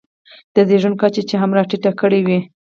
د زېږون کچه یې هم راټیټه کړې وي.